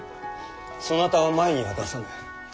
そなたは前には出さぬ。